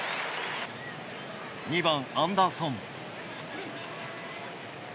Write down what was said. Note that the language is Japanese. ２番アンダーソン。